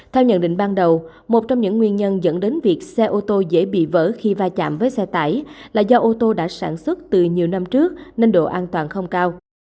theo nhận định ban đầu một trong những nguyên nhân dẫn đến việc xe ô tô dễ bị vỡ khi va chạm với xe tải là do ô tô đã sản xuất từ nhiều năm trước nên độ an toàn không cao